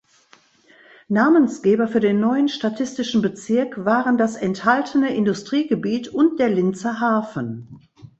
Namensgeber für den neuen statistischen Bezirk waren das enthaltene Industriegebiet und der Linzer Hafen.